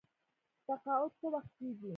تقاعد څه وخت کیږي؟